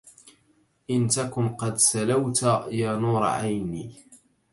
إن تكن قد سلوت يا نور عيني